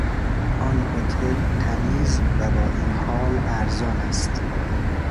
آن هتل تمیز و با این حال ارزان است.